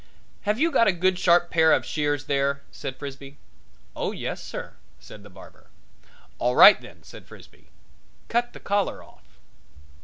"Have you got a good sharp pair of shears there?" said Frisbee. "Oh, yes, sir," said the barber. "All right then," said Frisbee; "cut the collar off."